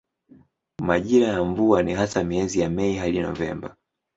Majira ya mvua ni hasa miezi ya Mei hadi Novemba.